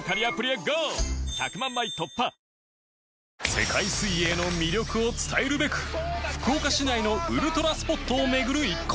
世界水泳の魅力を伝えるべく福岡市内のウルトラスポットを巡る一行